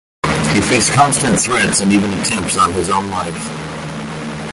He faced constant threats and even attempts on his own life.